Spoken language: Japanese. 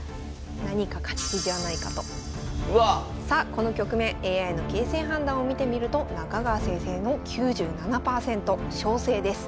この局面ＡＩの形勢判断を見てみると中川先生の９７％勝勢です。